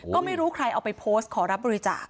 ก็ไม่รู้ใครเอาไปโพสต์ขอรับบริจาค